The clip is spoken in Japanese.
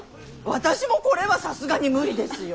私もこれはさすがに無理ですよ。